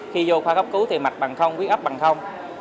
khi vô khoa cấp cứu thì mạch bằng thông quyết ấp bằng không